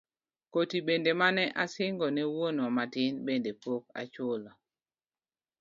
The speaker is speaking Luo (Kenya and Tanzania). Koti bende mane asingo ne wuonwa matin bende pok achulo.